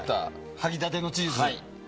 はぎたてのチーズ。